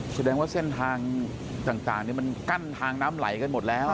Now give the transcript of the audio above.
แสดงว่าเส้นทางต่างมันกั้นทางน้ำไหลกันหมดแล้ว